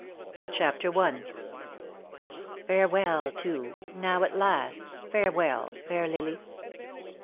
CHAPTER I. "Farewell, too — now at last — Farewell, fair lily."